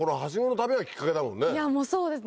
いやもうそうです。